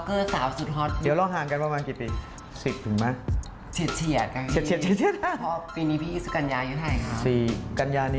เข้าโรงการตั้งแต่อายุยังน้อยเลยไหมครับ